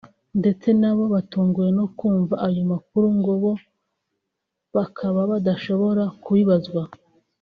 ndetse nabo batunguwe no kumva ayo makuru ngo bo bakaba badashobora kubibazwa